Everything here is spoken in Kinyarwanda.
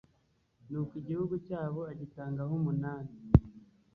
nuko igihugu cyabo agitangaho umunani